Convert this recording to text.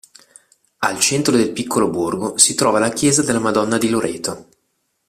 Al centro del piccolo borgo di trova la Chiesa della Madonna di Loreto.